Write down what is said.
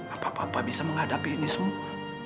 apa apa bisa menghadapi ini semua